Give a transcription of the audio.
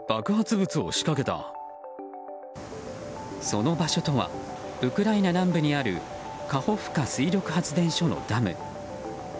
その場所とはウクライナ南部にあるカホフカ水力発電所のダム。